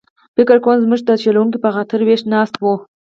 فکر کووم زموږ د چلوونکي په خاطر ویښ ناست و.